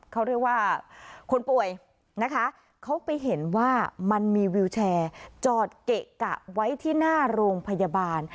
เขาเรียกว่าคนป่วยนะคะเขาไปเห็นว่ามันมีวิวแชร์จอดเกะกะไว้ที่หน้าโรงพยาบาล